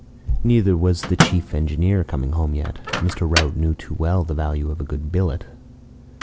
Neither was the chief engineer coming home yet. Mr. Rout knew too well the value of a good billet.